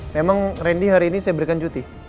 memang randy hari ini saya berikan cuti